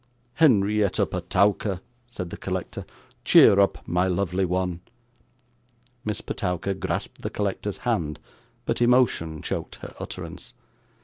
'Henrietta Petowker!' said the collector; 'cheer up, my lovely one.' Miss Petowker grasped the collector's hand, but emotion choked her utterance.